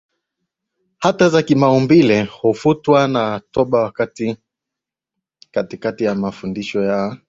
hata za kimaumbile hufutwa na toba wakati katika mafundisho ya